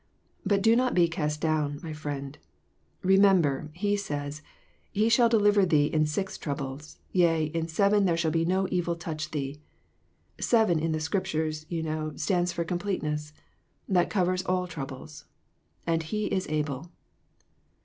But do not be cast down, my friend. Re member He said ' He shall deliver thee in six troubles ; yea, in seven, there shall no evil touch thee.' Seven in the Scriptures, you know, stands for completeness. That covers all troubles. And He is able."